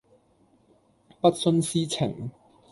不徇私情